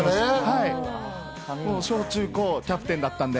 小中高、キャプテンだったんで。